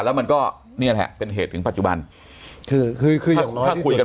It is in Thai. แล้วมันก็เนี่ยแหละเป็นเหตุถึงปัจจุบันคือคืออย่างน้อยคุยกัน